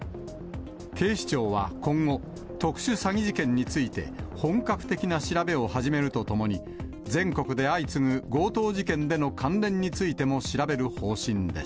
警視庁は今後、特殊詐欺事件について、本格的な調べを始めるとともに、全国で相次ぐ強盗事件との関連についても調べる方針です。